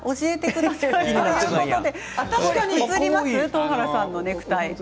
東原さんのネクタイ。